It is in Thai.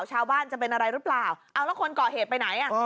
ชาวบ้านจะเป็นอะไรหรือเปล่าเอาแล้วคนก่อเหตุไปไหนอ่ะ